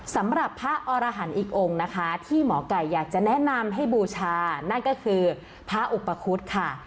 สำหรับพระอรหันต์อีกองค์นะคะที่หมอไก่อยากจะแนะนำให้บูชานั่นก็คือพระอุปคุฎค่ะ